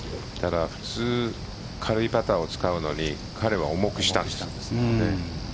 普通、軽いパターを使うのに彼は重くしたんです。